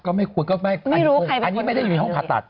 ก็ไม่ควรก็ไม่ควรไม่รู้ใครเป็นคนอื่นเลยอันนี้ไม่ได้อยู่ในห้องผ่าตัด